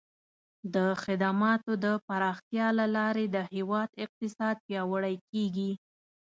د خدماتو د پراختیا له لارې د هیواد اقتصاد پیاوړی کیږي.